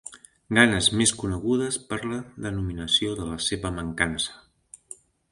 Ganes més conegudes per la denominació de la seva mancança.